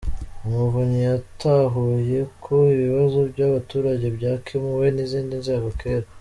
Umuvunyi yatahuye ko ibibazo by’abaturage byakemuwe n’izindi nzego kera